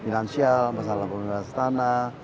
finansial masalah pembebasan tanah